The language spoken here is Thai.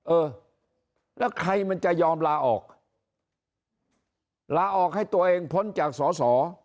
เออแล้วใครมันจะยอมลาออกลาออกให้ตัวเองพ้นจากสอสอ